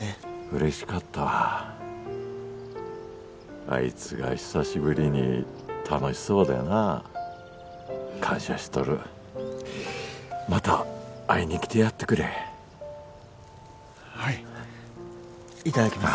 嬉しかったわあいつが久しぶりに楽しそうでな感謝しとるまた会いに来てやってくれはいいただきます